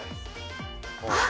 あっ